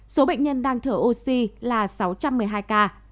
số bệnh nhân đang thở oxy là sáu trăm một mươi hai ca